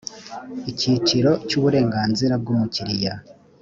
icyiciro cya uburenganzira bw umukiriya